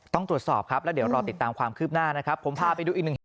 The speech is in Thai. ต้องตรวจสอบครับแล้วเดี๋ยวรอติดตามความคืบหน้านะครับ